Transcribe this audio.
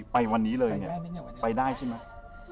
ไปวันนี้เลยเนี่ยไปได้ใช่ไหมไปได้ใช่ไหม